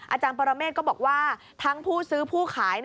อาจารย์ปรเมฆก็บอกว่าทั้งผู้ซื้อผู้ขาย